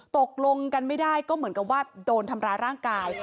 ตกลงกันไม่ได้ก็เหมือนกับว่าโดนทำร้ายร่างกาย